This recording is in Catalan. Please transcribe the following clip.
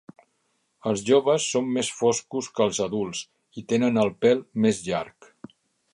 Els joves són més foscos que els adults i tenen el pèl més llarg.